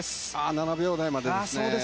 ７秒台までですね。